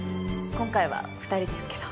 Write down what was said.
今回は２人ですけど。